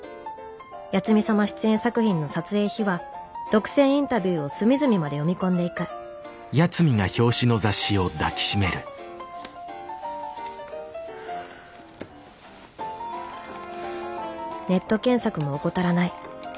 八海サマ出演作品の撮影秘話独占インタビューを隅々まで読み込んでいくネット検索も怠らない。